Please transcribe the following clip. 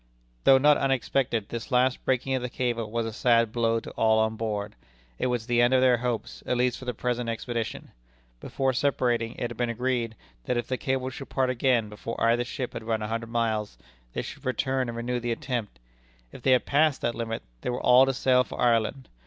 Though not unexpected, this last breaking of the cable was a sad blow to all on board. It was the end of their hopes, at least for the present expedition. Before separating, it had been agreed, that if the cable should part again before either ship had run a hundred miles, they should return and renew the attempt. If they had passed that limit, they were all to sail for Ireland.